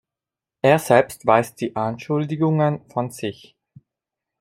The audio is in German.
Er selbst weist die Anschuldigungen von sich.